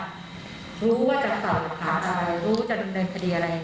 รู้ว่าจะต่อหลักขาดอะไรรู้ว่าจะดำเนินคดีอะไร